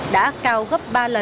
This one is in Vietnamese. đã cao gấp ba lượt